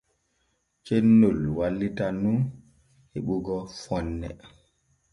Cennol wallitan nun heɓugo fonne.